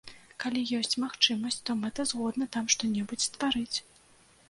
Калі ёсць магчымасць, то мэтазгодна там што-небудзь стварыць.